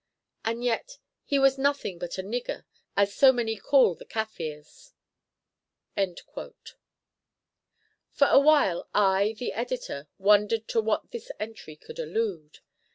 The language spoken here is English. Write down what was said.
And yet he was nothing but a 'nigger,' as so many call the Kaffirs." For a while I, the Editor, wondered to what this entry could allude.